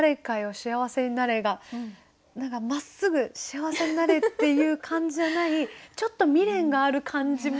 幸せになれ」がまっすぐ「幸せになれ」っていう感じじゃないちょっと未練がある感じも。